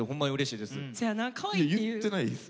いや言ってないです。